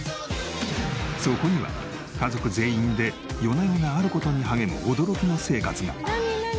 そこには家族全員で夜な夜なある事に励む驚きの生活が。